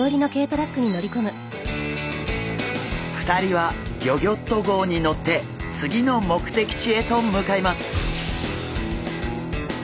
２人はギョギョッと号に乗って次の目的地へと向かいます。